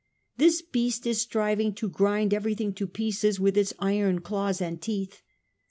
This Beast is striving to grind everything to pieces with its iron claws and teeth.